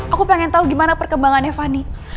aku pengen tahu gimana perkembangannya fani